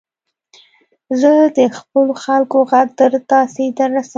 زه د خپلو خلکو ږغ تر تاسي در رسوم.